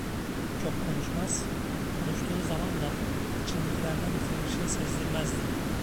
Çok konuşmaz, konuştuğu zaman da içindekilerden bize bir şey sezdirmezdi.